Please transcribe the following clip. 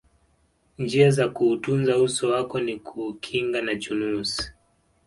njia za kuutunza uso wako ni kuukinga na chunusi